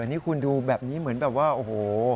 นี่คุณดูแบบนี้เหมือนแบบว่าโอ้โห